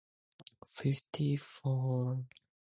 The square root is multivalued.